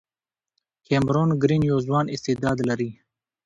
کیمرون ګرین یو ځوان استعداد لري.